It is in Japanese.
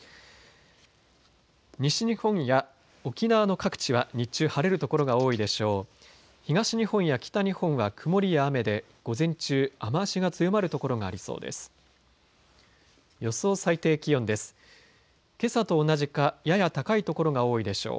西日本や沖縄の各地は日中晴れる所が多いでしょう。